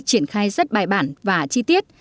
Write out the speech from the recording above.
triển khai rất bài bản và chi tiết